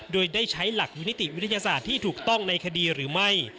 โดยได้ใช้หลักนิติวิทยาศาสตร์ที่ถูกต้องในคดีหรือไม่